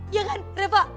iya kan reva